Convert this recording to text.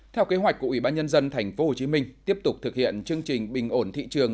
theo kế hoạch của ủy ban nhân dân tp hcm tiếp tục thực hiện chương trình bình ổn thị trường